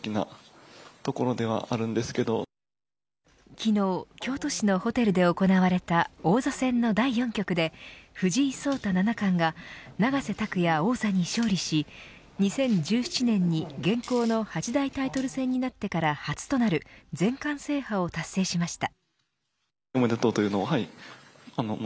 昨日、京都市のホテルで行われた王座戦の第４局で藤井聡太七冠が永瀬拓矢王座に勝利し２０１７年に現行の八大タイトル戦になってから初となる全冠制覇を達成しました。